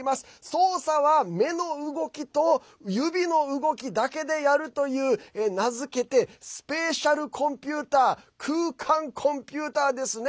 操作は目の動きと指の動きだけでやるという名付けてスペーシャルコンピューター空間コンピューターですね。